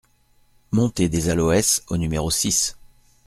Montée des Aloès au numéro six